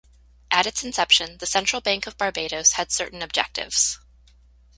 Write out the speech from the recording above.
At its inception the Central Bank of Barbados had certain objectives.